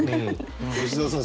吉澤さん